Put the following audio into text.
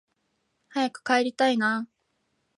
早く帰りたいなあ